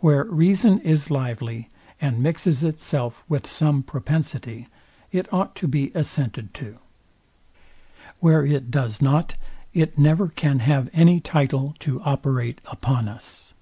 Where reason is lively, and mixes itself with some propensity, it ought to be assented to. Where it does not, it never can have any title to operate upon us.